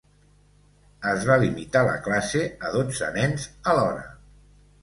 Es va limitar la classe a dotze nens alhora.